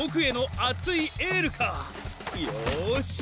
よし！